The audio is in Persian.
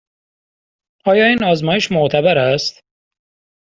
آیا این آزمایش معتبر است؟